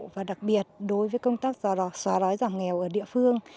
và đặc biệt đối với công tác do xóa đói giảm nghèo ở địa phương